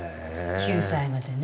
９歳までね